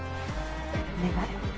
お願い。